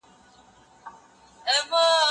په دغه مځکي باندي هر څه د خدای په لاس کي دي.